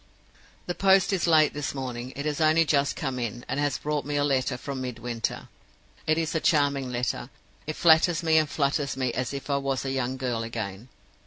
"The post is late this morning. It has only just come in, and has brought me a letter from Midwinter. "It is a charming letter; it flatters me and flutters me as if I was a young girl again.